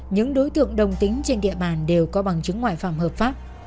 những đối tượng đồng tính trên địa bàn đều có bằng chứng ngoại phạm hợp pháp